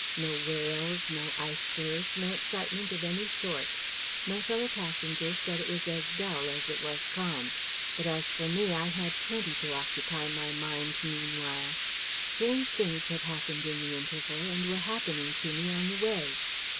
No whales, no icebergs, no excitement of any sort. My fellow passengers said it was as dull as it was calm. But as for me, I had plenty to occupy my mind meanwhile. Strange things had happened in the interval, and were happening to me on the way.